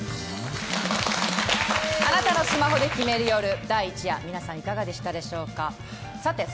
貴方のスマホで決める夜第１夜皆さんいかがでしたでしょうか。